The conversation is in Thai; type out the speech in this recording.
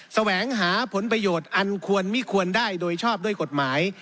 แสวงหาผลประโยชน์อันควรไม่ควรได้โดยชอบด้วยกฎหมาย